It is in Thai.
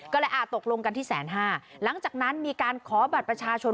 ก็เลยอ่าตกลงกันที่แสนห้าหลังจากนั้นมีการขอบัตรประชาชน